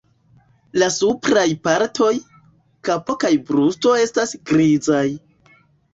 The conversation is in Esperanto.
La supraj partoj, kapo kaj brusto estas grizaj.